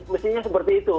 mestinya seperti itu